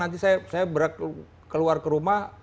nanti saya keluar ke rumah